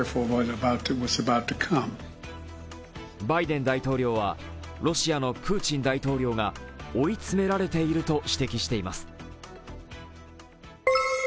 バイデン大統領はロシアのプーチン大統領が追い詰められていると指摘しています。